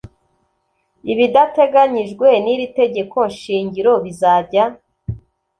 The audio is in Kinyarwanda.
ibidateganyijwe n iri tegeko shingiro bizajya